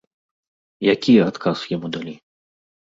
Які адказ яму далі?